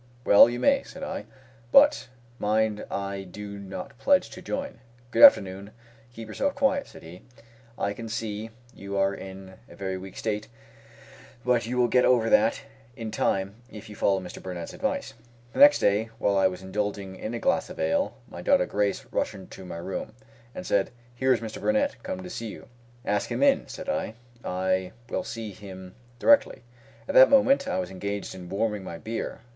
"Well you may," said I; "but mind I do not pledge to join." "Good afternoon; keep yourself quiet," said he; "I can see you are in a very weak state; but you will get over that in time, if you follow Mr. Burnett's advice." The next day, while I was indulging in a glass of ale, my daughter Grace rushed into my room, and said, "Here is Mr. Burnett come to see you." "Ask him in," said I; "I will see him directly." At that moment I was engaged in warming my beer.